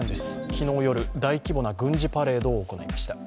昨日夜、大規模な軍事パレードを行いました。